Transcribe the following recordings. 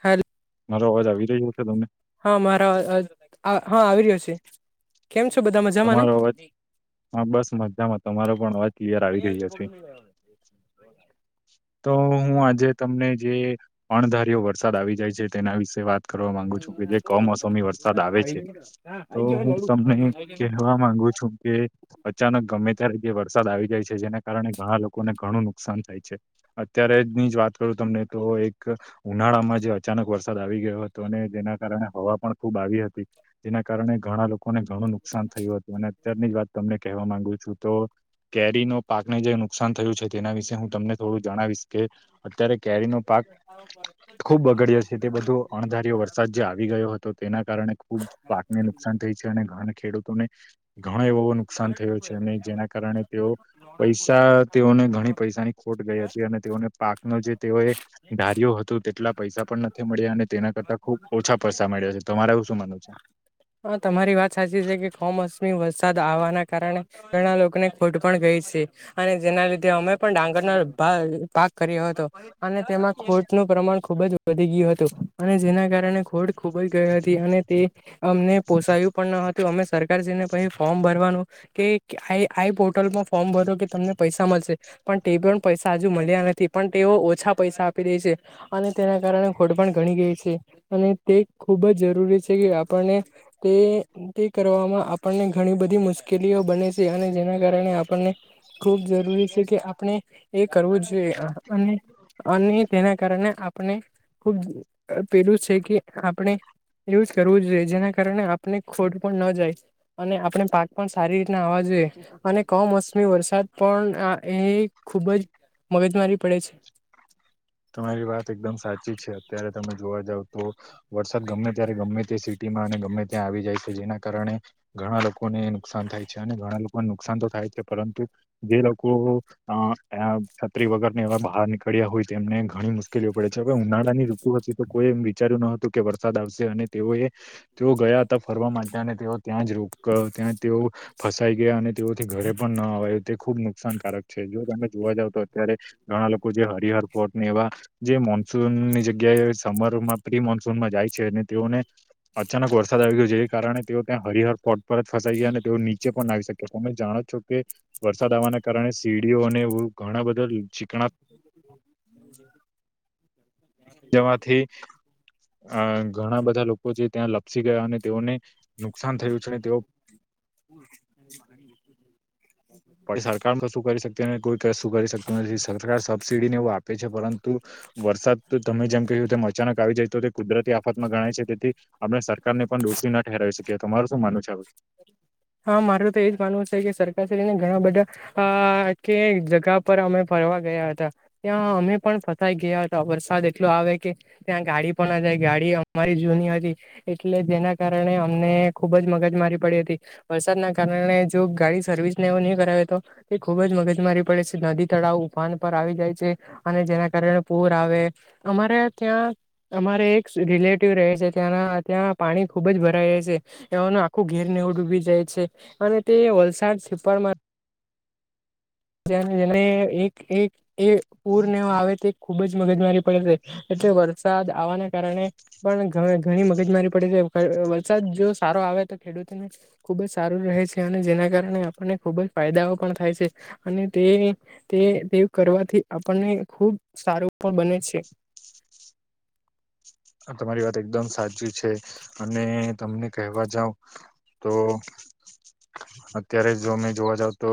હારુ. મારો અવાજ આવી રહ્યો છે, તમને. મારા હા આવી રહ્યો છે કેમ છો બધા મજામાંને? તમારો અવાજ હા બસ મજામાં તમારો પણ અવાજ ક્લિયર આવી રહ્યો છે. તો હું આજે તમને જે અણધાર્યો વરસાદ આવી જાય છે, તેના વિશે વાત કરવા માંગુ છું કે જે કમોસમી વરસાદ આવે છે, તો હું તમને કેહેવા માંગુ છું કે અચાનક ગમે ત્યારે. વરસાદ આવી જાય છે જેને કારણે ઘણા લોકોને ઘણું નુકસાન થાય છે અત્યારે જની જ વાત કરું તમને. તો એક ઉનાળામાં જે અચાનક વરસાદ આવી ગયો હતો અને જેના કારણે હવા પણ ખુબ આવી હતી. જેના કારણે ઘણા લોકોને ઘણું નુકસાન થયું હતું અને અત્યારની જ વાત તમને કહેવા માંગુ. છું તો. કેરીનો પાકને જે નુકસાન થયું છે તેના વિશે હું તમને થોડું જણાવીશ કે અત્યારે કેરીનો પાક ખુબ બગડયો છે તે બધો અણધાર્યો વરસાદ જે આવી ગયો હતો તેના કારણે ખુબ પાક ને નુકસાન થઈ છે અને ઘણા ખેડૂતોને ઘણો એવોવો નુકસાન થયો છે જેના કારણે તેઓ પૈસા તેઓને ઘણી પૈસાની ખોટ હતી અને તેઓને પાકનો જે તેઓએ ધાર્યો હતું તેટલા પૈસા પણ નથી મળ્યા અને તેના કરતા ખુબ ઓછા પૈસા મળ્યા છે, તમારે એવું શું માનવું છે. હા તમારી વાત સાચી છે કે કમોસમી વરસાદ આવવાના કારણે ઘણા લોકોને ખોટ પણ ગઈ છે અને જેના લીધે અમે પણ ડાંગર ભાગ કર્યો હતો. અને તેમાં ખોટનું પ્રમાણ ખુબ જ વધી ગયું હતું અને જેના કારણે ખોટ ખૂબ જ ગઈ હતી અને તે અમને પોસાયું પણ ન હતું અમે સરકારશ્રિને પછી ફોર્મ ભરવાનું કે આ આ પોર્ટલમાં ફોર્મ ભરો કે તમને પૈસા મળશે. પણ તે પણ પૈસા હજુ મળ્યા નથી પણ તેઓ. ઓછા પૈસા આપી દે છે અને તેના કારણે ખોટ પણ ઘણી ગઈ છે અને તે ખૂબ જ જરૂરી. આપને તે કરવામાં. આપણને ઘણી બધી મુશ્કેલીઓ બને છે અને જેના કારણે આપણને ખૂબ જરૂરી છે કે આપણે એ કરવું જોઈએ અને અને તેના કારણે આપ આપણે ખુબ પેલું છે કે આપણે. એવું જ કરવું જ જોઈએ, જેના કારણે આપને ખોટ પણ ન જાય. અને આપણે પાક પણ સારી રીતના આવવા જોઈએ અને કમોસમી વરસાદ પણ એ ખુબ જ. મગજ મારી પડે છે. તમારી વાત એકદમ સાચી છે અત્યારે તમે જોવા જાવ તો. વરસાદ ગમે ત્યારે, ગમે ત્યા સિટીમાં અને ગમે ત્યાં આવી જાય છે જેના કારણે ઘણા લોકોને નુકસાન થાય છે અને ઘણા લોકોને નુકસાન તો થાય છે. પરંતુ જે લોકો હુ અ છત્રી વગરની હવે બહાર નીકળ્યા હોય. તેમને ઘણી મુશ્કેલીઓ પડે છે હવે ઉનાળાની ઋતુ હતી તો કોઈ એમ વિચાર્યું ન હતું. વરસાદ આવશે અને તેઓ એ જો ગયા હતા ફરવા માટે અને તેઓ ત્યાં જ રોક, ત્યાં તેઓ ફસાઈ ગયા અને તેઓથી ઘરે પણ ન અવાય. તે ખુબ નુકસાનકારક છે, જો તમે જોવા જાવ તો અત્યારે ઘણા લોકો જે હરિહર પોટ એવા જે મોન્સૂનની જગ્યાએ સમરમાં પ્રી મોન્સૂનમાં જાય છે અને તેઓને અચાનક વરસાદ આવી ગયો જે કારણે તેઓ ત્યાં હરિહર પોટ પર જ ફસાઈ ગયા અને તેઓ નીચે પણ લ આવી શકેમે જાણ. છો કે વરસાદ આવવાના કારણે સીડીઓ અને ઘણા બધા ચીકણા. હજ [inaudible] જવાથી અ ઘણા બધા લોકો છે. ત્યાં લપસી ગયા અને તેઓને નુકસાન થયું છે અને તેઓ હમ [inaudible] પણ સરકારમાં શું કરી શકતી નથી કોઈ ક શું કરી શકત નથી સરકાર સબસિડી ને એવું આપે છે. પરંતુ વરસાદ તો તમે જેમ કહ્યું અચાનક આવી જાય. તો તે કુદરતી આફતમાં ગણાય છે તેથી આપણે સરકાર ને પણ દોષી નઠરાવી શકીએ તમારું શું માનુંવ છેું [inaudible] હા, મારે તો એજ માનવું છે, કે સરકાર શને ઘણા બધા કે જગા પર અમે ફર ગયા હતા ત્યાં અમે પણ ફસાઈ ગયા હતા વરસાદ એટલો આવે કે ત્યાં ગાડી પણ જાય ગડી ગાડી અમારી જૂની હતી એટલે જેના કારણે અમને ખુબ જ મગજ મારી પડી હતી, વરસાદના કારણે જો ગાડી સર્વિસને નહીં કરાવે તો તે ખુબ જ મગજ મારી પડે છે. નદી તળાવ ઉફાન પર આવી જાય છે, અને જેના કારણે પૂર આવે અમારે ત્યાં અમારે એક રિલેટિવ રહે છે, ત્યાંના ત્યાં પાણી ખુબ જ ભરાય જ છે, ને આખું ઘેર નેવ ડૂબી જાય છે, અને તે વલસાડ છેપરમાં જેને એક એ પૂરને આવે તે ખુબ જ મગજ મારી પ એટલે વરસાદ આવવાના કારણે પણ ઘણી મગજમારી પડે છે. વરસાદ જો સારો આવે તો ખેડૂતોને ખુબ જ સારું રહે છે અને જેના કારણે આપણને ખુબ જ ફાયદાઓ પણ થાય છે. અને તે તે કરવાથી આપણને ખુબ સારું. બને છે. તમારી વાત એકદમ સાચી છે અને. તમને કહેવા જાવ તો અત્યારે જોમે જોવા જાવ તો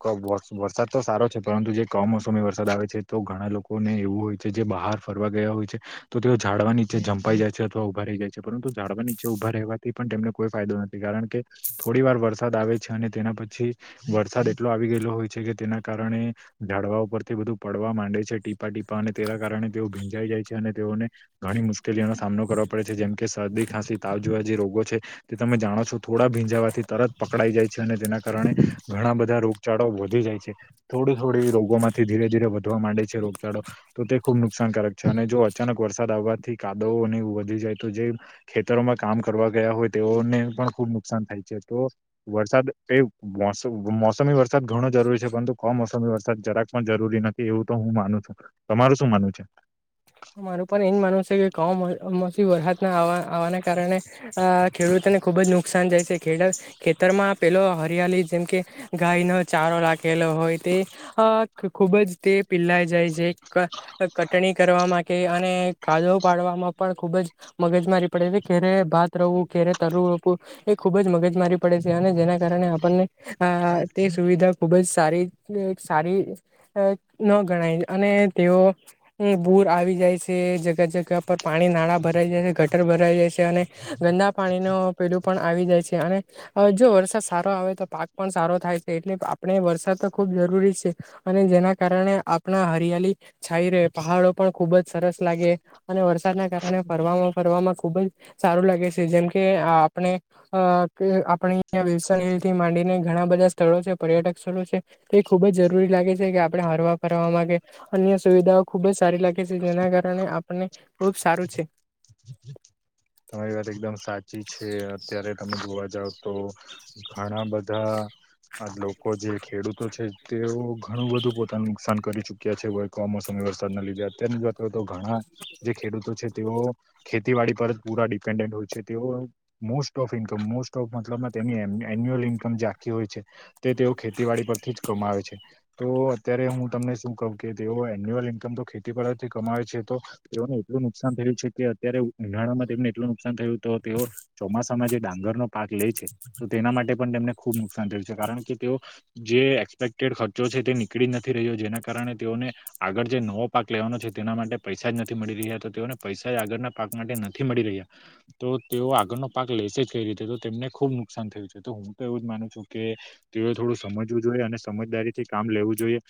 કમો વરસાદ તો સારો છે પરંતુ જે કમોસમી. મોસમી વરસાદ આવે છે તો ઘણા લોકોને એવું હોય છે જે બહાર ફરવા ગયા હોય છે તો. જો ઝાડવા નીચે જંપાઈ જાય છેથવા ઉભા રહી જાય છે પણ ઝાડવા નીચે ઉભા રહેવાથી પણ તેમને કોઈ ફાયદો નથી કારણ. કે થોડી વાર વરસાદ આવે છે અને તેના પછી વરસાદ એટલો આવી ગયેલો હોય છે કે તેના કારણે. ઝાડવા ઉરથી બધું પડવા માંડે છે ટીપા ટીપા અને તેના કારણે તેઓ ભીંજાઈ જાય છે. અને તેઓને ઘણી મુશ્કેલીઓનો સામનો કરવાો પડે છે જેમ. કે શરદી ખાંસી તાવજેવા જે રોગો છે, તે તમે જાણો છો થોડા ભીંજાવાથી તરત પકડાઈ જાય છે, અને તેના કારણે ઘણા બધા રોગચાળો વધી જાય છે, થોડી, થોડી રોગોમાંથી ધીરે ધીરે વધવા માંડે છે. રોગચળો તો તે ખુબ નુકસાનકારક છે, અને જો અચાનક વરસાદ આવવાથી કાદવોને વધી જાય તો, જે ખેતરોમાં કામ કરવા ગયા હોય તેઓને પણ ખૂબ નુકસાન થાય છે, તો વરસાદ એ મોસમી વરસાદ ઘણો જરૂરી છે. પરંતુ કોમ મસમી વરસાદ જરાક પણ જરૂરી નથી એવું તો હું, માનું છું તમારું શું માનવું છે. મારે પણ એ જ માનવુ છે, કે કામ કમોસમી વરસાદને આવવાના કારણે ખેડૂતોને ખુબ જ નુકસાન જાય છે. ખેડત ખેતરમાં પેલો હરિયાળી જેમકે ગાય ન ચારો લાગ લાગેલો હોય તે ખુબ જ તે પીલાઈ જાય છે, કટણી કરવાવામાં કાદો પાડવામાં પણ ખુબ જ મગજ મારી પડે છે, ખેરે ભાત રવું ઘેરે તરવું રવું. એ ખૂબ જ મગજ મારી પડે છે, અને જેના કારણે આપણને આ તે સુવિધા ખુબ જ સારી, સારી ન ગણાય અને તેઓ પૂર આવી. જાય છે જગ્યા જગ્યા પર પાણી નાળા ભરાઈ જાય છે, ગટર ભરાઈ જાય છે, અને ગંદા પાણીનો પેલું પણ આવી જાય છે, અને જો વરસાદ સારો આવે તો પાક પણ સારો થાય છે, એટલે આપણે વરસાદ ખૂબ જરૂરી છે, અને જેના કારણે આપણા હરિયાળ છાઈ ર પહાડો પણ ખૂબ જ સરસ લાગે અને, વરસાદના કારણે ફરવામાં ફરવામાં ખુબ જ સારું લાગે છે. જેમ કે આપણે આપલ થી માંડીને ઘણા બધા સ્થળો છે પર્યટક સ્થળો છે તે ખુબ જ જરૂરી લાગે છે, કે આપણે હરવા ફરવા માંગે અ સુવિધાઓ ખુબ જ સારી લાગે છે. જેના કારણે આપને ખુબ સારું છે. તમારી વાત એકદમ સાચી છે, અત્યારે તમને જોવા જાવ તો ઘણા બધા આ લોકો જે ખેડૂતો છે, તેઓ ઘણું બધું પોતાને નુકસાન કરી ચુક્યા છે, કો કમોસમી વરસાદના લીધે અત્યની વા તો ઘણા જે ખેડૂતો છે, તેઓ ખેતીવાડી પર પૂરા ડિપેન્ડેન્ટ હોય છે, તેઓ most of income most of મતલબમાંની એન્યુઅલ ઇન્કમ જાખી હોય છે. તે તેઓ ખેતીવાડી પરથી જ કમાવે છે. તો અત્યારે હું તમને શું કવ કે તેઓ એન્યુઅલ ઇન્કમ તો ખેતી પરથી કમાવે છે, તો એટલું નુકસાન થયું છે, કે અત્યારે ઉનાળમાં તેમને એટલું નુકસાન થયું તો તે ઓ ચોમાસ ડાંગર નો પાક લે છે, તો તેના માટે પણ તેમને ખુબ નુકસાન થયું છે. કારણ કે તેઓ જે એસપેક્ટેડ ખર્ચો છે, તે નીકળી નથી રહ્યો જેના કારણે તેઓને આગળ જે નવો પાક લેવાનો છે. તેના માટે પૈસા જ નથી, મળી રહ્યા તો તેઓને પૈસા જ આગળના પાક માટે નથી. થી મળી રહ્યા તો તેઓ આગળનો પાક લેશે જ કઈ રીતે તો તેમને ખુબ નુકસાન થયું છે, તો હુ તો એવું જ કે તેઓ થોડું સમજવુ જોઈએ, અને સમજદારી થી કામ લેવું જોઈએ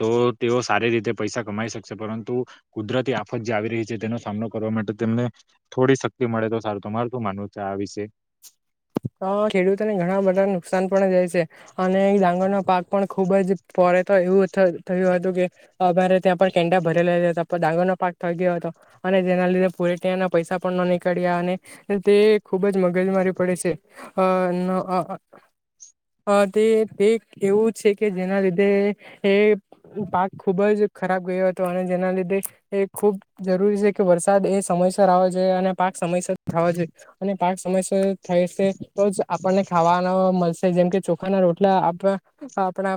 તો તેઓ સારી રીતે પૈસા કમાઈ શકશે પરંતુ કુદરતી આફત જે આવી રહી છે, તેનો સામનો કરવા માટે તેમને થોડી શક્તિ મળે તો સારુ તમાર તું માનવું છે, આ વિશે હ, ખેડૂતોને ઘણા બધા નુકસાન પણ જાય છે. અને ડાંગરના પાક પણ ખુબ જ પરેે તો એવું થયું હતું કે અમારે ત્યાં પણ કેંડા ભરેલા હતા ડાંગર ન પા થઈ ગયો હતો અને, તેના લીધે પુરે ત ના પૈસા પણ ન નીકળ્યા અને, તે ખુબ જ મગજ મારી પડે છે. હ, તે તે એવું છે, કે જેના લીધે એ પાક ખુબજ ખરાબ ગયો હતો અને જેના લીધે એ ખૂબ જરૂરી છે, કે વરસાદ એ સમયસર આવો અને પાક સમયસર થવા જોઈએ અને પાક સમયસર થાય છે. તો જ આપણને ખાવાના મળશે જેમ કે ચોખા ના રોટલા આપ આપણા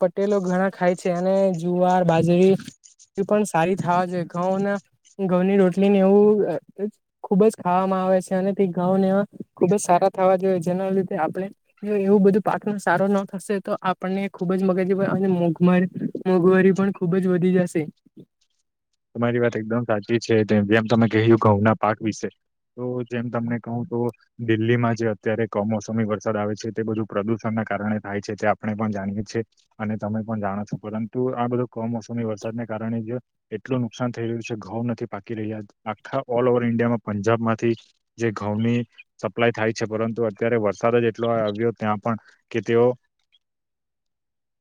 પટેલ ઘણા ખાય છે, અને જુવાર બાજરી એ પણ સારી થવા છે, ઘઉના ઘઉંની રોટલી ને એવું ખુબ જ ખાવામાં આવે છે, અને તે ઘઉને ખુબજ સારા થવા, જોઈએ જેના લીધે આપણે એવું બધું પાકનો સારો ન થશે તો આપણને ખુબ જ મગજ અને મોઘ મોંઘવારી પણ ખુબ જ વધી જશે તમારી વાત એકદમ સાચી છે, જેમ તમે કહ્યું ઘઉં પાક વિશે તો જેમ તમને કહુ તો દિલ્હીમાં જે અત્યારે કમોસમી વરસાદ આવે છે, તે બધું પ્રદુષણ કારણે થાય છે. તે આપણે પણ જાણીએી અને તમે પણ જાણો છો, પરંતુ આ બધો કમોસમી વરસાદ કારણે જ એટલું નુકસાન થઈ રહ્યુ છે, ઘઉં નથી પાકી રહ્યા આખા ઓલ ઓવર ઈન્ડિયામાં પંજાબમાંથી જે ઘઉ સપ્લાય થાય છે. પરતુ અત્યારે વરસાદ એટલો આવ્યો ત્યાં પણ કે તેઓ [inaudible]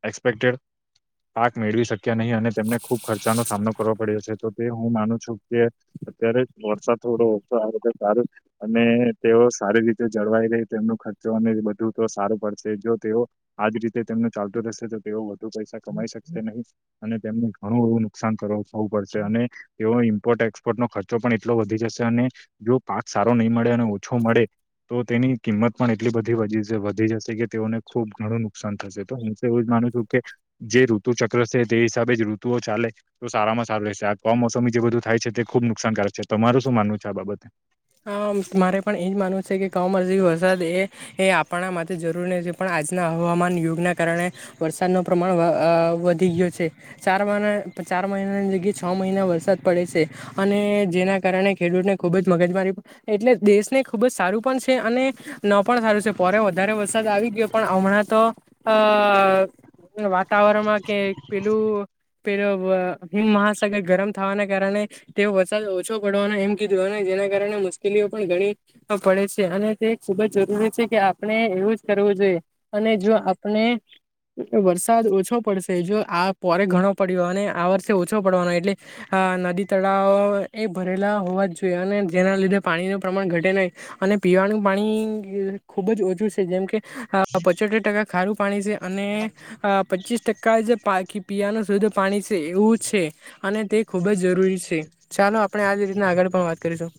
અકસ્પેકટેડ પાક મેળવી શક્યા નહી, અને તેમને ખુબ ખર્ચાનો સામનો કર પડ્યો છે, તો તે હુ માનું છુ કે અત્યારે વરસાદ થોડોતો, આ તેઓ સારી રીતે જળવાઈ રહી, તેમનો ખર્ચો અને બધું તો સારો પડશે જો તેઓ આ રીતે તેમનુ ચાલતું રહેશે તો તેઓ વધુ પૈસા કમાઈ શકશે નહી, અને તેમને ઘણું એવુ નુકસાન કરો હોવુ, પડશે અને તે ઇમ્પોર્ટ એક્સપોર્ટ નો ખર્ચો પણ એટલો વધી જશે અને જો પાક સારો નહીં મળે ઓછો, મળે તો તેની કિંમત પણ એટલી બધી વધી જશે કે તેઓને ખુબ ઘણુ નુકસાન થશે તો હુ, એવું જ માનું છુ, કે જે ઋતુ ચક્ર છે. તે હિસાબે, જ ઋતુઓ ચાલે તો સારામા સારું રહેશે આ કમોસમી જે બધું થાય છે, તે ખુબ નુકસાનકારક છે, તો તમારુ શું માનવું છે આ બાબતે હ, મારે પણ એજ માનવું છે, કે કમસમી વરસાદ એ એ આપણા માટે જરૂરી છે, પણ આજના હવામાન, યોગના કારણે વરસાદનો પ્રમાણ વધી ગું છે, ચાર મહના ચાર મહિનાની જગ્યા છ મહિના વરસાદ પડે છે. અને જેના, કારણે ખેડૂત ને ખુબજ મગજ મારી એટલે દેશને ખુબજ સારુ પણ છે, અને ન પણ સારું છે, પર વધારે વરસાદ આવી ગયો પણ હમણા તો અ વાતાવરણમાં કે પેલુ પેલો હિમ મહાસાગર ગરમ થવાના કારણે તેઓ વરસાદ ઓછો, પડવાનો એમ કીધુ ના કારણે મુશ્કેલીઓ પણ ઘણી પડે છે, અને તે ખુબ જ જરૂરી છે, કે આપણે એવું જ કરવું જોઈએ અને, જો આપણે વરસાદ ઓછો પડશે જો, આ પોરે ઘણો પડ્યો અને આ વર્ષે ઓછો પડવાનો એટલે. નદી તળાવ એ ભરેલા હોવા જોઈએ, અને જેના લીધે. પાણીનું પ્રમાણ ઘટે નહીં અને પીવાનું પાણી ખૂબ જ ઓછું છે, જેમ કે. અ પચોતેર ટકા ખારું પાણી છે, અને પચીસ ટકા જે પાખ પીવાનું શુદ્ધ પાણી છે, એવું છે, અને તે ખૂબ જ જરૂરી છે. ચાલો આપણે આજ રીતના આગળ પણ વાત કરીશું.